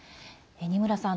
二村さん